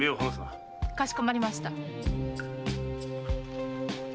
かしこまりました。